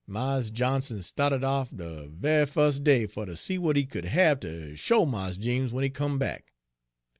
Mars Johnson sta'ted off de ve'y fus' day fer ter see w'at he could hab ter show Mars Jeems w'en he come back.